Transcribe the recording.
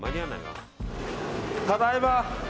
ただいま！